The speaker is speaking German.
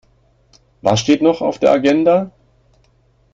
Was steht noch auf der Agenda?